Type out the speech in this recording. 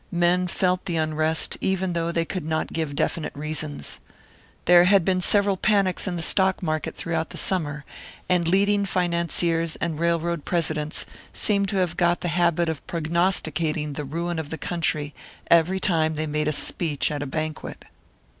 Men felt the unrest, even though they could not give definite reasons. There had been several panics in the stock market throughout the summer; and leading financiers and railroad presidents seemed to have got the habit of prognosticating the ruin of the country every time they made a speech at a banquet.